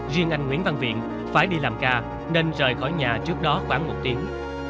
riêng anh nguyễn văn viện phải đi làm ca nên rời khỏi nhà trước đó khoảng một tiếng